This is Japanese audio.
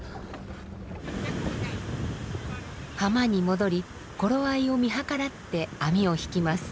浜に戻り頃合いを見計らって網を引きます。